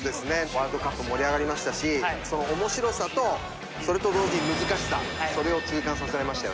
ワールドカップ盛り上がりましたしその面白さとそれと同時に難しさそれを痛感させられましたよね。